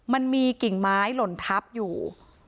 มันมีกิ่งไม้หล่นทับอยู่